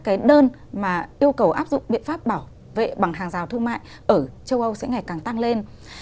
cái đơn mà yêu cầu áp dụng biện pháp bảo vệ bằng hàng rào thương mại ở châu âu sẽ ngày càng tăng lên